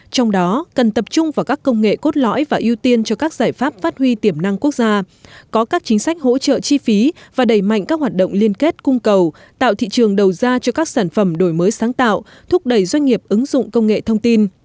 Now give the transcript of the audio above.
trong đó cần tập trung vào các công nghệ cốt lõi và ưu tiên cho các giải pháp phát huy tiềm năng quốc gia có các chính sách hỗ trợ chi phí và đẩy mạnh các hoạt động liên kết cung cầu tạo thị trường đầu ra cho các sản phẩm đổi mới sáng tạo thúc đẩy doanh nghiệp ứng dụng công nghệ thông tin